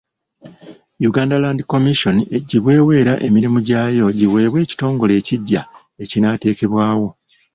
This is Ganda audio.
Uganda Land Commission eggyibwewo era emirimu gyayo giweebwe ekitongole ekiggya ekinaateekebwawo.